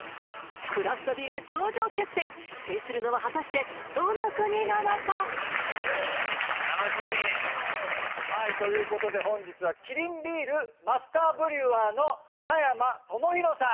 クラフトビール頂上決戦制するのは果たしてどの国なのかはいということで本日はキリンビールマスターブリュワーの田山智広さん